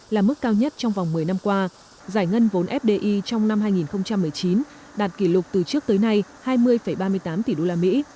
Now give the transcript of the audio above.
là mức cao nhất trong vòng một mươi năm qua giải ngân vốn fdi trong năm hai nghìn một mươi chín đạt kỷ lục từ trước tới nay hai mươi ba mươi tám tỷ đô la mỹ